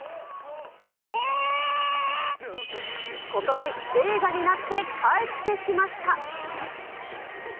ことし、映画になって帰ってきました。